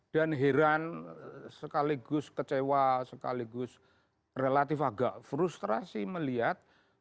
dan heran sekaligus kecewa sekaligus relatif agak frustrasi melihat